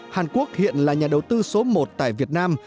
hàn quốc hiện là nhà đầu tư số một tại việt nam